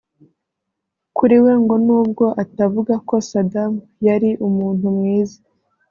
Kuri we ngo n’ubwo atavuga ko Saddam yari umuntu mwiza